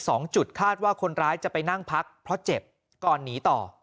สองจุดคาดว่าคนร้ายจะไปนั่งพักเพราะเจ็บก่อนหนีต่อ